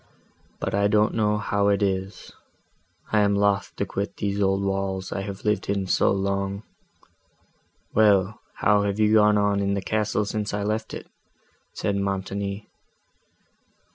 But I don't know how it is—I am loth to quit these old walls I have lived in so long." "Well, how have you gone on in the castle, since I left it?" said Montoni.